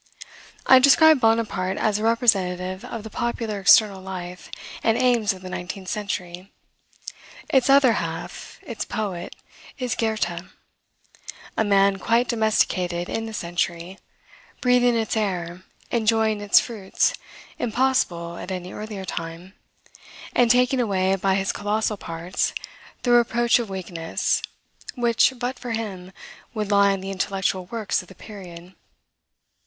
I described Bonaparte as a representative of the popular external life and aims of the nineteenth century. Its other half, its poet, is Goethe, a man quite domesticated in the century, breathing its air, enjoying its fruits, impossible at any earlier time, and taking away, by his colossal parts, the reproach of weakness, which, but for him, would lie on the intellectual works of the period.